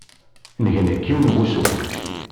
Ngen deg yiwen n wusu.